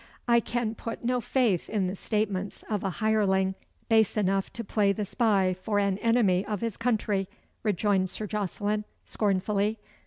"I can put no faith in the statements of a hireling, base enough to play the spy for an enemy of his country," rejoined Sir Jocelyn, scornfully.